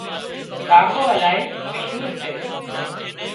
ڪاڪو الاهي مشهور سي